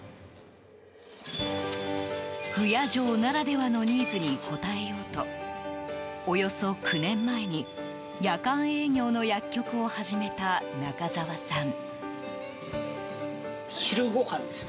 不夜城ならではのニーズに応えようとおよそ９年前に夜間営業の薬局を始めた中沢さん。